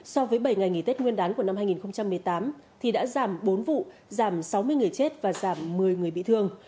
so với bảy ngày nghỉ tết nguyên đán của năm hai nghìn một mươi tám thì đã giảm bốn vụ giảm sáu mươi người chết và giảm một mươi người bị thương